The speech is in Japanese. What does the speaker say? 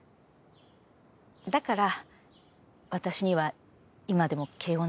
だから私には今でも敬語なのよね。